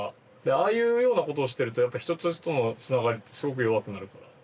ああいうようなことをしてるとやっぱ人と人とのつながりってすごく弱くなるから。